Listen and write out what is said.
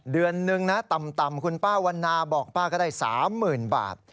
เดือนนึงนะต่ำคุณป้าวันนาบอกป้าก็ได้๓๐๐๐บาท